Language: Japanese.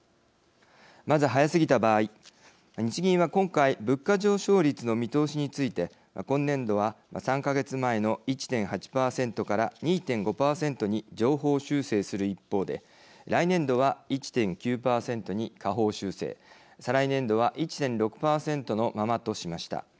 まず早すぎた場合日銀は今回物価上昇率の見通しについて今年度は３か月前の１．８％から２．５％に上方修正する一方で来年度は１．９％に下方修正再来年度は１．６％のままとしました。